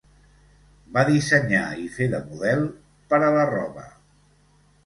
Va dissenyar i fer de model per a la roba.